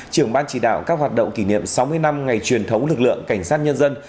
trưởng ban chỉ đạo các hoạt động kỷ niệm sáu mươi năm ngày truyền thống lực lượng cảnh sát nhân dân